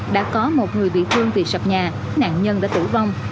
đã có một người bị thương vì sập nhà nạn nhân đã tử vong